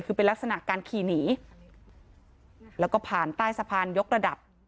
คือเป็นลักษณะการขี่หนีแล้วก็ผ่านใต้สะพานยกระดับ